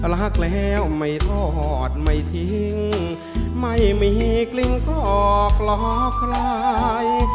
รักแล้วไม่ทอดไม่ทิ้งไม่มีกลิ่นกรอกหลอกใคร